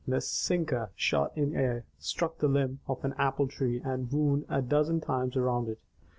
The sinker shot in air, struck the limb of an apple tree and wound a dozen times around it.